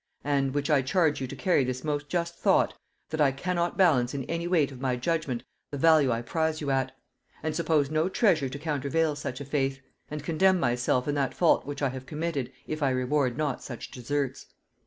And (which I charge you to carry this most just thought) that I cannot balance in any weight of my judgement the value I prize you at: And suppose no treasure to countervail such a faith: And condemn myself in that fault which I have committed, if I reward not such deserts.